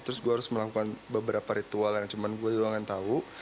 terus gue harus melakukan beberapa ritual yang cuma gue duluan tahu